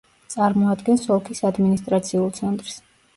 წარმოადგენს ოლქის ადმინისტრაციულ ცენტრს.